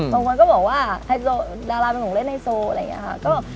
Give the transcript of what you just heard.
บางคนก็บอกว่าดาราเป็นของเล่นไฮโซ